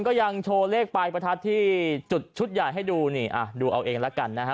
ก็ยังโชว์เลขปลายประทัดที่จุดชุดใหญ่ให้ดูนี่อ่ะดูเอาเองแล้วกันนะฮะ